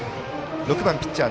６番ピッチャー